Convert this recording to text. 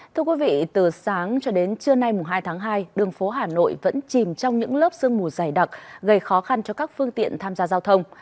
thưa quý vị từ sáng cho đến trưa nay hai tháng hai đường phố hà nội vẫn chìm trong những lớp sương mù dày đặc gây khó khăn cho các phương tiện tham gia giao thông